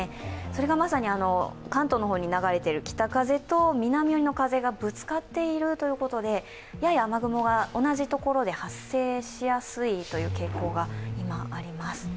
それがまさに関東の方に流れている北風と南寄りの風がぶつかっているということで、やや雨雲が同じところで発生しやすいという傾向が今あります。